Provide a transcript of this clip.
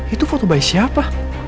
itu foto bayi siapa